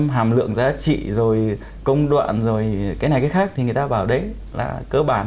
năm một mươi hàm lượng giá trị rồi công đoạn rồi cái này cái khác thì người ta bảo đấy là cơ bản